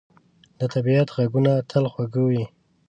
د طبیعت ږغونه تل خوږ وي.